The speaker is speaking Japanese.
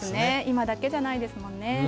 今だけじゃないですもんね。